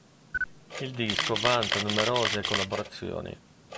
Il disco vanta numerose collaborazioni.